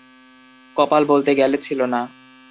কপাল বলতে গেলে ছিল না।